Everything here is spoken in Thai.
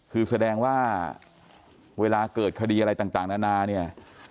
คือแสดงว่าเวลาเกิดคดีอะไรต่างนานาเนี่ย